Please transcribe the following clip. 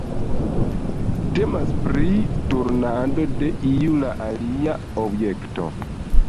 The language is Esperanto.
Temas pri turnado de "iu la alia" objekto.